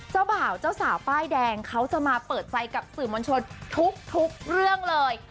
เจ้าบ่าวเจ้าสาวป้ายแดงเขาจะมาเปิดใจกับสื่อมวลชนทุกเรื่องเลย